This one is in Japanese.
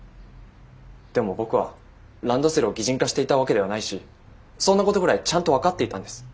でも僕はランドセルを擬人化していたわけではないしそんなことぐらいちゃんと分かっていたんです。